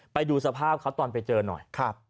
ไปดูสภาพเขาตอนไปเจอหน่อย